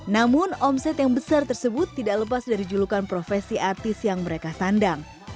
namun omset yang besar tersebut tidak lepas dari julukan profesi artis yang mereka sandang